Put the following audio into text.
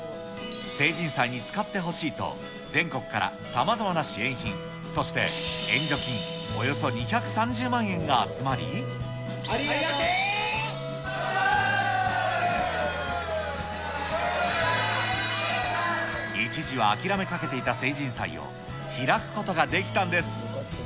成人祭に使ってほしいと、全国からさまざまな支援品、そして、ありがとう！一時は諦めかけていた成人祭を、開くことができたんです。